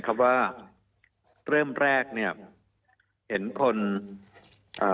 มีความรู้สึกว่ามีความรู้สึกว่า